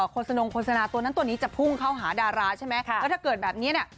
โสนงโฆษณาตัวนั้นตัวนี้จะพุ่งเข้าหาดาราใช่ไหมแล้วถ้าเกิดแบบนี้เนี่ย